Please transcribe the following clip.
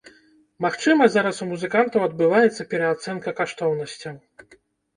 Магчыма, зараз у музыкантаў адбываецца пераацэнка каштоўнасцяў.